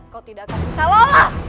kau tidak akan bisa lelah